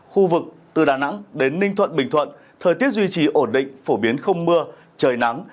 khu vực từ đà nẵng đến ninh thuận bình thuận thời tiết duy trì ổn định phổ biến không mưa trời nắng